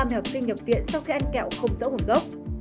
ba mươi học sinh nhập viện sau khi ăn kẹo không rỗ ngủi gốc